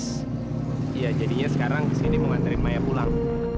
mas ya jadinya sekarang kesini mau nganterin maya pulang